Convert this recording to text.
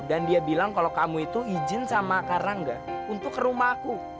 dia bilang kalau kamu itu izin sama karangga untuk ke rumah aku